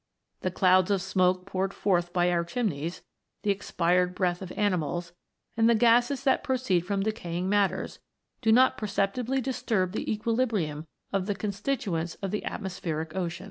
The clouds of smoke poured forth by our chimneys, the expired breath of animals, and the gases that proceed from decaying matters, do not perceptibly disturb the equilibrium of the constituents of the atmospheric ocean.